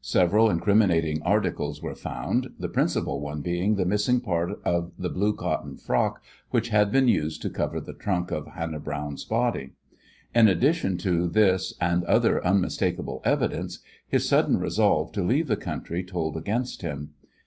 Several incriminating articles were found, the principal one being the missing part of the blue cotton frock which had been used to cover the trunk of Hannah Browne's body. In addition to this and other unmistakable evidence, his sudden resolve to leave the country told against him.